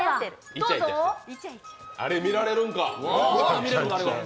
あれ、見られるんか。